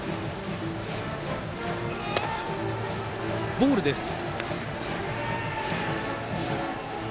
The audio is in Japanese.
ボールです。